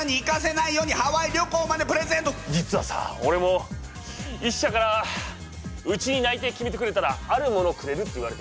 実はさおれも１社からうちに内定決めてくれたらあるものをくれるって言われてるんだ。